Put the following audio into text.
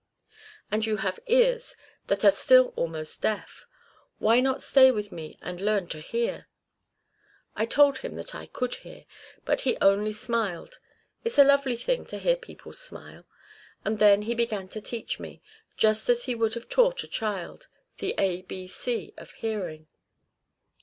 And you have ears that are still almost deaf. Why not stay with me and learn to hear?' I told him that I could hear, but he only smiled it's a lovely thing to hear people smile and then he began to teach me, just as he would have taught a child, the ABC of hearing."